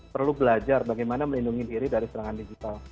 perlu belajar bagaimana melindungi diri dari serangan digital